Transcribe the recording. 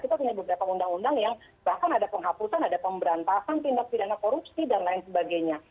kita punya beberapa undang undang yang bahkan ada penghapusan ada pemberantasan tindak pidana korupsi dan lain sebagainya